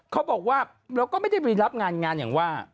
เขาบอกว่าเราก็ไม่ได้ไปรับงานงานอย่างว่า